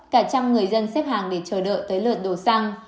cả trăm người dân xếp hàng để chờ đợi tới lượt đồ xăng